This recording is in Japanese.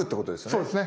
そうですね。